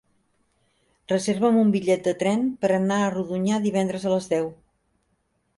Reserva'm un bitllet de tren per anar a Rodonyà divendres a les deu.